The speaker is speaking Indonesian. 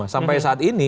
sampai saat ini